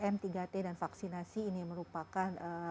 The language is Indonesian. tiga m tiga t dan vaksinasi ini merupakan